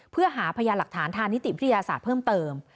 เพื่อหารระดีบถามนิติพฤติศาสตร์เพิ่มเติม